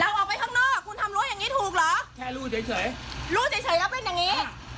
ออกไปข้างนอกคุณทำรั้วอย่างงี้ถูกเหรอแค่รู้เฉยรู้เฉยแล้วเป็นอย่างนี้